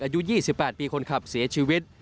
อายุ๒๘ปีคนขับเสียชีวิต